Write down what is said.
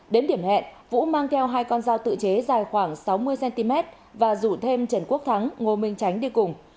đến điểm hẹn vũ mang theo hai con dao tự chế dài khoảng sáu mươi cm và rủ thêm trần quốc thắng ngô minh tránh đi cùng